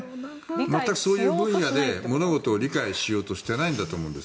全くそういう分野で物事を理解しようとしていないと思います。